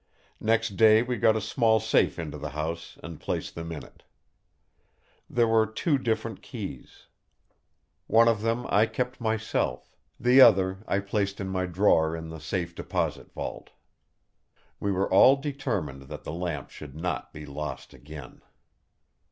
Next day we got a small safe into the house, and placed them in it. There were two different keys. One of them I kept myself; the other I placed in my drawer in the Safe Deposit vault. We were all determined that the lamps should not be lost again.